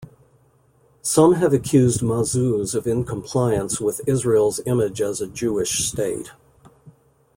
Some have accused Mazuz of incompliance with Israel's image as a Jewish state.